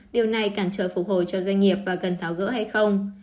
điều này cản trở phục hồi cho doanh nghiệp và cần tháo gỡ hay không